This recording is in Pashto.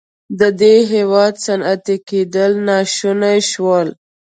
د دې هېواد صنعتي کېدل ناشون شول.